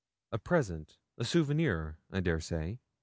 A present, a souvenir, I dare say?'